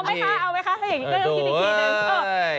เอาไหมคะถ้าอย่างนี้ก็ต้องกินอีกนิดนึง